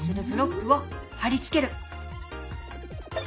ブロックを貼り付ける。